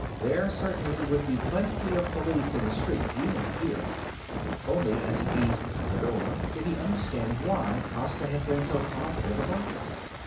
There certainly would be plenty of police in the streets, even here. Only as he eased the door did he understand why Costa had been so positive about this.